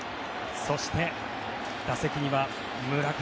そして打席には村上。